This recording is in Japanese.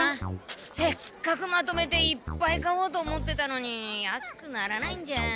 せっかくまとめていっぱい買おうと思ってたのに安くならないんじゃ。